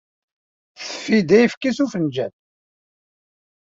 Teffi-d ayefki s afenǧal.